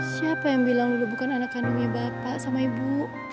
siapa yang bilang dulu bukan anak kandungnya bapak sama ibu